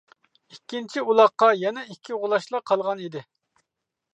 ئىككىنچى ئۇلاققا يەنە ئىككى غۇلاچلا قالغان ئىدى.